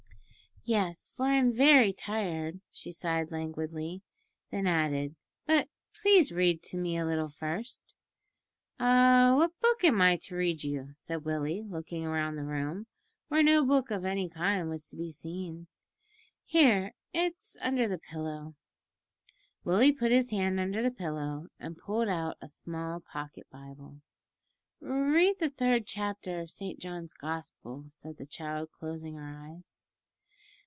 "Yes, for I'm very tired," she sighed languidly; then added, "but please read to me a little first." "What book am I to read you?" said Willie, looking round the room, where no book of any kind was to be seen. "Here, it's under the pillow." Willie put his hand under the pillow and pulled out a small pocket Bible. "Read the third chapter of Saint John's Gospel," said the child, closing her eyes.